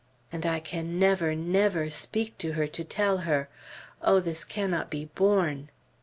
And I can never, never speak to her to tell her! Oh, this cannot be borne!"